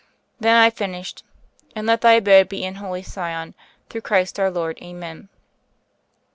Then I finished : *'And let thy abode be in Holy Sion : through Christ our Lord, Amen."